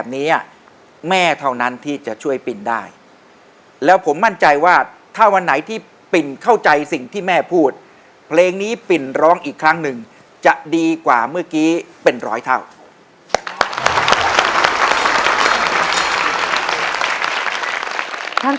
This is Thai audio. อ๋อนี่ก็ถือว่าเก่งสุดแล้วค่ะ